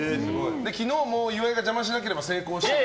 昨日も岩井が邪魔しなければ成功してた。